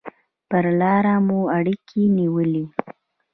پر لاره مو اړیکې نیولې.